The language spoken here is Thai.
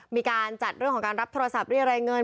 มีการจัดเรื่องของการรับโทรศัพท์เรียกรายเงิน